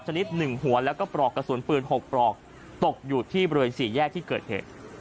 ชนิด๑หัวแล้วก็ปลอกกระสุนปืน๖ปลอกตกอยู่ที่บริเวณ๔แยกที่เกิดเหตุ